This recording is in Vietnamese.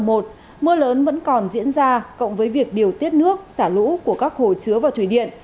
mưa lớn vẫn còn diễn ra cộng với việc điều tiết nước xả lũ của các hồ chứa và thủy điện